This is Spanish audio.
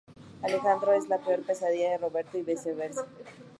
Alejandro es la peor pesadilla de Roberto y viceversa.